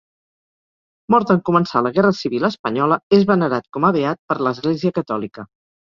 Mort en començar la Guerra Civil espanyola, és venerat com a beat per l'Església Catòlica.